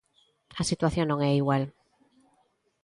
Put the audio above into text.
A situación non é igual.